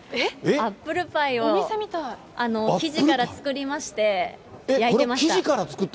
アップルパイを生地から作りまして、焼いてました。